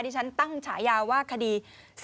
ที่ฉันตั้งฉายาว่าคดี